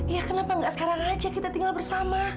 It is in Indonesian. ya kenapa gak sekarang aja kita tinggal bersama